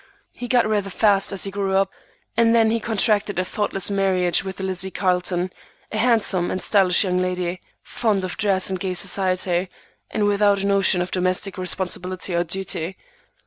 He got rather fast as he grew up, and then he contracted a thoughtless marriage with Lizzie Carleton, a handsome and stylish young lady, fond of dress and gay society, and without a notion of domestic responsibility or duty.